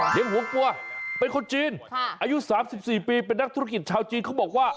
หัวกลัวเป็นคนจีนอายุ๓๔ปีเป็นนักธุรกิจชาวจีนเขาบอกว่า